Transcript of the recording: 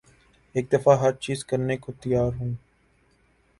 ایک دفعہ ہر چیز کرنے کو تیار ہوں